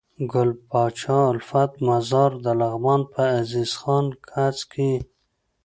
ګل پاچا الفت مزار دلغمان په عزيز خان کځ کي